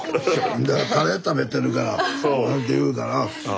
「カレー食べてるから」なんて言うから。